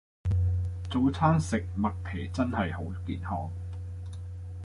早餐食麥皮真係好健康